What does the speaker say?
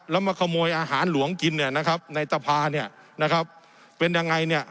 แล้วมาขโมยอาหารหลวงกินเนี่ยนะครับในตะพาเนี่ยนะครับเป็นยังไงเนี่ย